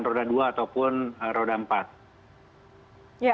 roda dua ataupun roda empat